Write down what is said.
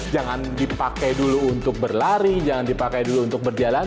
jangan dipakai dulu untuk berlari jangan dipakai dulu untuk berjalan